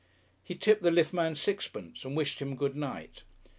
He tipped the lift man sixpence and wished him good night.